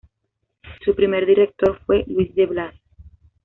Su primer director fue Luis de Blas.